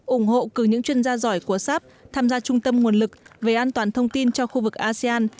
ủng hộ cử những chuyên gia giỏi của sharp tham gia trung tâm nguồn lực về an toàn thông tin cho khu vực asean